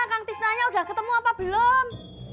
kang tistanya udah ketemu apa belum